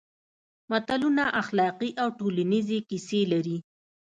متلونه اخلاقي او ټولنیزې کیسې لري